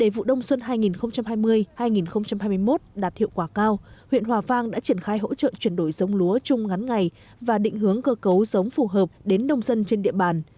vụ đông xuân hai nghìn hai mươi hai nghìn hai mươi một đạt hiệu quả cao huyện hòa vang đã triển khai hỗ trợ chuyển đổi giống lúa chung ngắn ngày và định hướng cơ cấu giống phù hợp đến nông dân trên địa bàn